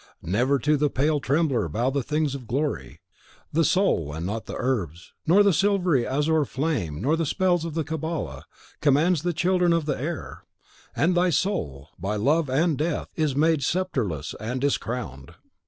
Never to the pale trembler bow the things of glory: the soul, and not the herbs, nor the silvery azure flame, nor the spells of the Cabala, commands the children of the air; and THY soul, by Love and Death, is made sceptreless and discrowned!